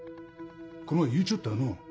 この前言うちゃったぁのう。